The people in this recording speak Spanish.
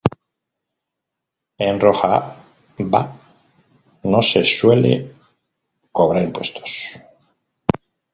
En Rojava no se suele cobrar impuestos.